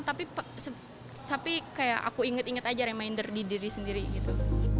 tapi kayak aku inget inget aja reminder di diri sendiri gitu